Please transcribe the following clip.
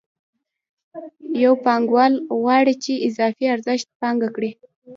یو پانګوال غواړي چې اضافي ارزښت پانګه کړي